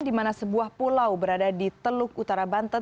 di mana sebuah pulau berada di teluk utara banten